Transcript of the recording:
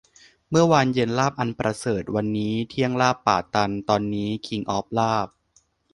เมื่อวานเย็นลาบอันประเสริฐ วันนี้เที่ยงลาบป่าตัน ตอนนี้คิงส์ออฟลาบ